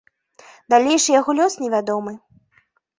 Далейшы яго лёс невядомы.